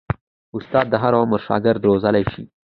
استاد د هر عمر شاګرد روزلی شي.